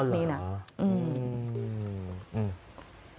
อ๋อเหรอ